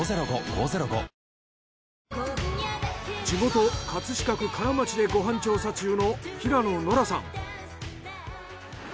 地元葛飾区金町でご飯調査中の平野ノラさん。